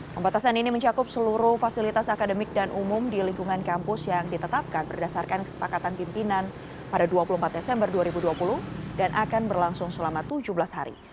pembatasan ini mencakup seluruh fasilitas akademik dan umum di lingkungan kampus yang ditetapkan berdasarkan kesepakatan pimpinan pada dua puluh empat desember dua ribu dua puluh dan akan berlangsung selama tujuh belas hari